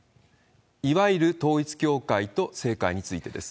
いわゆる統一教会と、政界についてです。